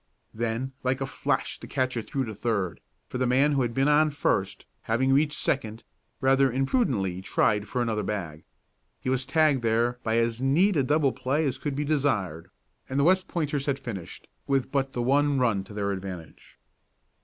Then, like a flash the catcher threw to third, for the man who had been on first, having reached second, rather imprudently tried for another bag. He was tagged there by as neat a double play as could be desired, and the West Pointers had finished, with but the one run to their advantage.